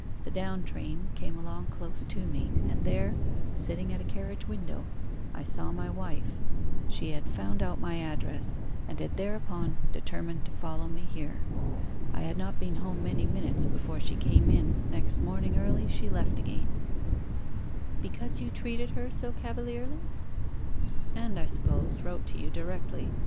The down train came along close to me, and there, sitting at a carriage window, I saw my wife: she had found out my address, and had thereupon determined to follow me here. I had not been home many minutes before she came in, next morning early she left again ' 'Because you treated her so cavalierly?' 'And as I suppose, wrote to you directly.